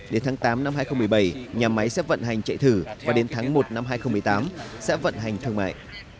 đến tháng tám năm hai nghìn một mươi bảy nhà máy sẽ vận hành chạy thử và đến tháng một năm hai nghìn một mươi tám sẽ vận hành thương mại